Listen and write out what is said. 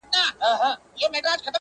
د شپې له تورې پنجابيه سره دال وهي،